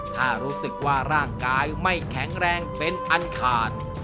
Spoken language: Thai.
ถ้ารู้สึกว่าร่างกายไม่แข็งแรงเป็นอันขาด